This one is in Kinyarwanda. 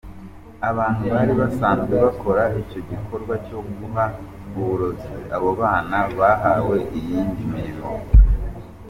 Abantu bari basanzwe bakora icyo gikorwa cyo guha uburozi abo bana, bahawe iyindi mirimo.